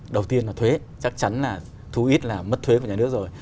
đầu tiên là thuế chắc chắn là thu ít là mất thuế của nhà nước rồi